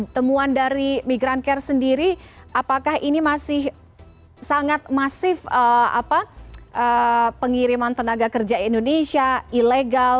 temuan dari migrancare sendiri apakah ini masih sangat masif pengiriman tenaga kerja indonesia ilegal